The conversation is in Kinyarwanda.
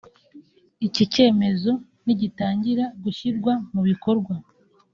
Iki cyemezo nigitangira gushyirwa mu bikorwa